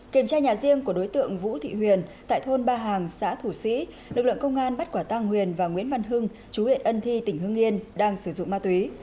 kiểm tra nhà riêng của đối tượng vũ thị huyền tại thôn ba hàng xã thủ sĩ lực lượng công an bắt quả tang huyền và nguyễn văn hưng chú huyện ân thi tỉnh hưng yên đang sử dụng ma túy